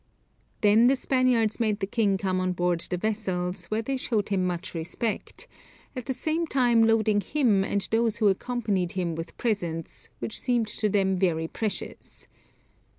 Then the Spaniards made the king come on board the vessels, where they showed him much respect, at the same time loading him and those who accompanied him with presents, which seemed to them very precious.